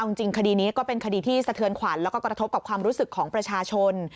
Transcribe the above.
เอาจริงคดีนี้ก็เป็นคดีที่สะเทือนขวัญแล้วก็กระทบกับความรู้สึกของประชาชน